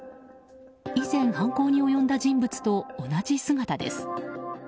以前、犯行に及んだ人物と同じ姿です。